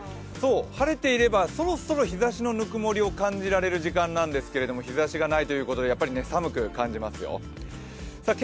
晴れていればそろそろ日差しのぬくもりを感じられる時間なんですけど日ざしがないということでやっぱり寒く感じますよ。